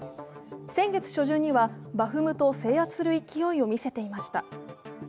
先月初旬にはバフムトを制圧する勢いを見せていました。